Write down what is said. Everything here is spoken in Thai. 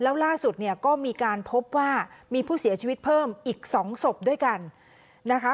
แล้วล่าสุดเนี่ยก็มีการพบว่ามีผู้เสียชีวิตเพิ่มอีก๒ศพด้วยกันนะคะ